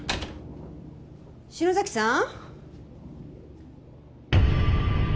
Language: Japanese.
篠崎さん？